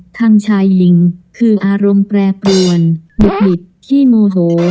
ทางชายลิงคืออารมณ์แปรปรวนบุดหวิดขี้โมโห